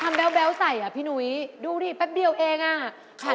คำแบ๊วใส่อ่ะพี่หนุ๊ดูดิแป๊บเดียวเองอ่ะ